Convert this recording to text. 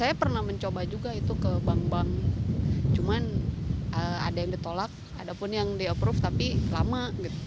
saya pernah mencoba juga itu ke bank bank cuman ada yang ditolak ada pun yang di approve tapi lama